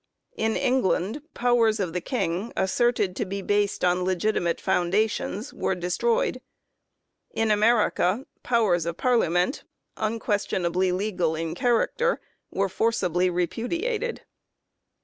In England powers of the King, asserted to be based on legitimate foundations, were destroyed. In America powers of Parliament, un questionably legal in character, were forcibly repudi ated.